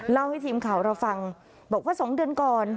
เล่าให้ทีมข่าวเราฟังบอกว่า๒เดือนก่อน